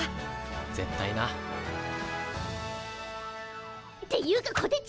絶対な。っていうかこてち！